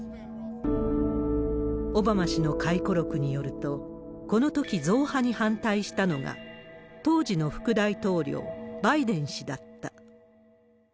オバマ氏の回顧録によると、このとき増派に反対したのが当時の副大統領、バイデン氏だった。